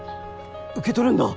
受け取るんだ。